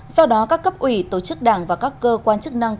do đó các cấp ủy tổ chức đảng và các cơ quan chức năng